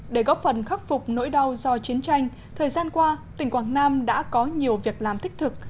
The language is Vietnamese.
để góp phần khắc phục nỗi đau do chiến tranh thời gian qua tỉnh quảng nam đã có nhiều việc làm thích thực